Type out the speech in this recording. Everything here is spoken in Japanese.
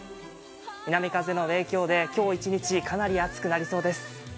南風の影響で今日一日、かなり暑くなる予想です。